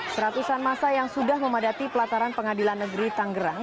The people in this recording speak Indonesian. seratusan masa yang sudah memadati pelataran pengadilan negeri tanggerang